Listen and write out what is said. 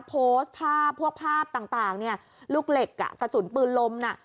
โพสต์ภาพพวกภาพต่างเนี่ยลูกเหล็กอ่ะกระสุนปืนลมน่ะ